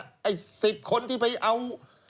ไอ้๑๐คนที่ไปเอา